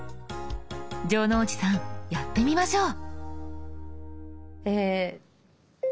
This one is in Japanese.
城之内さんやってみましょう。